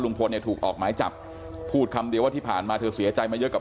เนี่ยถูกออกหมายจับพูดคำเดียวว่าที่ผ่านมาเธอเสียใจมาเยอะกับ